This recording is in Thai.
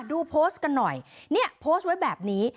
ดูโพสต์กันหน่อยเนี่ยโพสต์ไว้แบบนี้